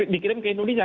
dikirim ke indonesia